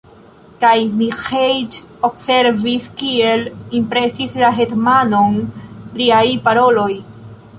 Kaj Miĥeiĉ observis, kiel impresis la hetmanon liaj paroloj.